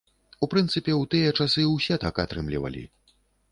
У прынцыпе, у тыя часы ўсе так атрымлівалі.